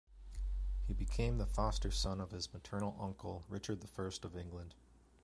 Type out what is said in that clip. He became the foster son of his maternal uncle, Richard the First of England.